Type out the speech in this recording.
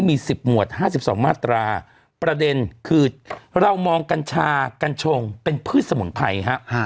มี๑๐หมวด๕๒มาตราประเด็นคือเรามองกัญชากัญชงเป็นพืชสมุนไพรฮะ